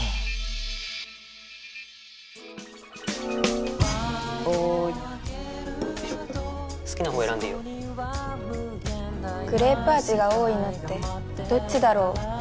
心の声グレープ味が多いのってどっちだろう？